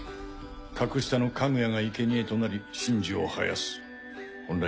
格下のカグヤがいけにえとなり神樹を生やす。